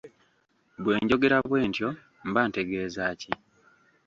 Bwe njogera bwe ntyo mba ntegeeza ki?